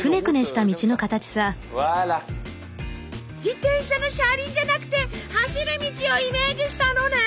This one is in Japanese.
自転車の車輪じゃなくて走る道をイメージしたのね。